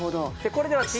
これです。